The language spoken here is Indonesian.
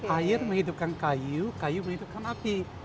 air menghidupkan kayu kayu menghidupkan api